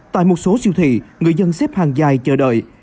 tại một số siêu thị người dân xếp hàng dài chờ đợi